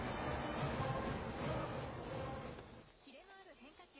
キレのある変化球。